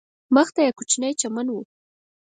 مخ ته یې کوچنی چمن و.